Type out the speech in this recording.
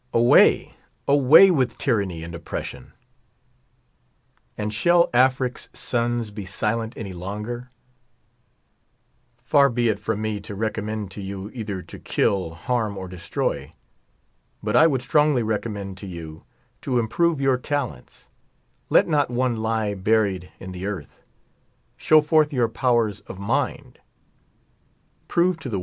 Away, away with tyranny and op pr. M iion ! Ami shall Afric's sons be silent any longer ? F If !•<• it fmro me to recommend to you either to kill, burn, or d^Htroy. But I would strongly recommend to Vfni to improve your talents; let not one lie buried in tin* I'jirth. Show forth your powers of mind. Prove to tin?